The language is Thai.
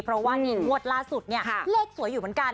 เพราะว่านี่งวดล่าสุดเนี่ยเลขสวยอยู่เหมือนกัน